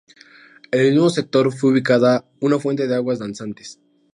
En el mismo sector fue ubicada una fuente de aguas danzantes.